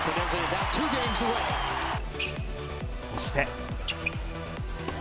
そして。